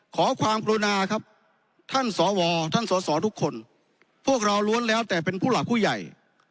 ขอความกรุณาครับท่านสวท่านสอสอทุกคนพวกเราล้วนแล้วแต่เป็นผู้หลักผู้ใหญ่